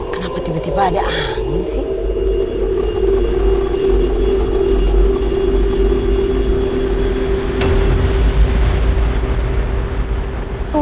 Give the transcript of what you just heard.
kenapa tiba tiba ada angin sih